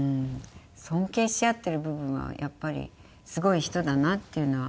尊敬し合っている部分はやっぱりすごい人だなっていうのは。